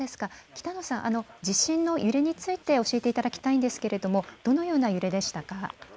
北野さん、地震の揺れについて教えていただきたいんですけれどもどのような揺れでしたか。